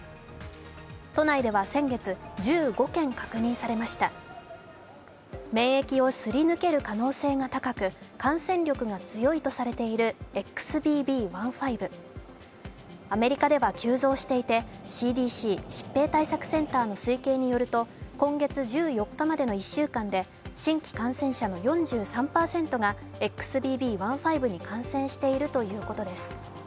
都内では先月、１５件確認されました免疫をすり抜ける可能性が高く感染力が強いとされているＸＢＢ．１．５アメリカでは急増していてＣＤＣ＝疾病対策センターの推計によると今月１４日までの１週間で新規感染者の４３％がＸＢＢ．１．５に感染しているということです。